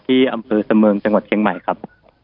ที่อำเภอเสมิงจังหวัดเชียงใหม่ครับ